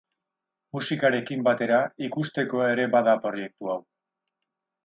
Musikarekin batera, ikustekoa ere bada proiektu hau.